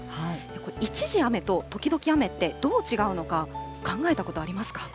これ、一時雨と時々雨って、どう違うのか、考えたことありますか？